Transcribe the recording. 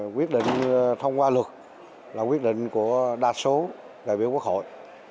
quyết định thông qua luật là quyết định của đa số đại biểu quốc hội